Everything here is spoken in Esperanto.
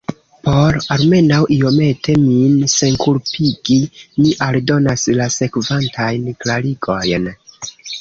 Por almenaŭ iomete min senkulpigi, mi aldonas la sekvantajn klarigojn.